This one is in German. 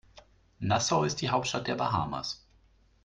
Nassau ist die Hauptstadt der Bahamas.